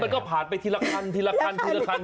เออขาดไปทีละคันทีละคัน